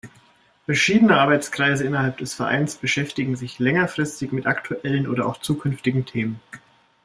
Verschiedene Arbeitskreise innerhalb des Vereins beschäftigen sich längerfristig mit aktuellen oder auch zukünftigen Themen.